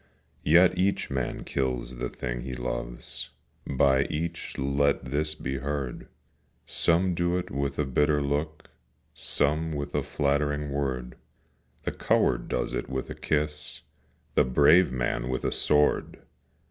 Yet each man kills the thing he loves, By each let this be heard, Some do it with a bitter look, Some with a flattering word, The coward does it with a kiss, The brave man with a sword!